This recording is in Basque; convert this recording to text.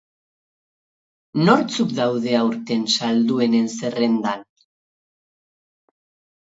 Nortzuk daude aurten salduenen zerrendan?